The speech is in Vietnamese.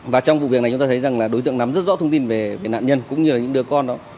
và trong vụ việc này chúng ta thấy rằng là đối tượng nắm rất rõ thông tin về nạn nhân cũng như là những đứa con đó